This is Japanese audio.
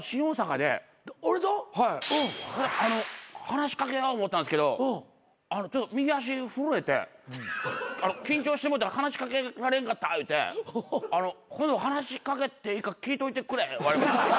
話し掛けよう思うたんすけどちょっと右足震えて緊張してもうたら話し掛けられんかった言うて今度話し掛けていいか聞いといてくれ言われまして。